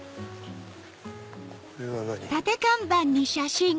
これは何？